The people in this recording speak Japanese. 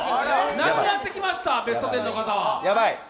なくなってきました、ベスト１０の方は。